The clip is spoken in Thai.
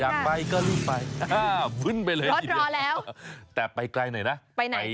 อยากไปก็รีบไปบึ้นไปเลยทีเดียวพอแล้วแต่ไปไกลหน่อยนะไปไหน